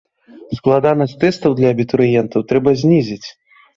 Складанасць тэстаў для абітурыентаў трэба знізіць.